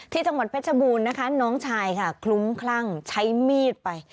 จังหวัดเพชรบูรณ์นะคะน้องชายค่ะคลุ้มคลั่งใช้มีดไป